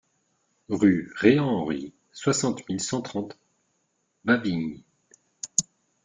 Rue Reant Henri, soixante mille cent trente Wavignies